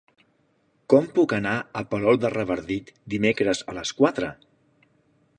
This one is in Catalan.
Com puc anar a Palol de Revardit dimecres a les quatre?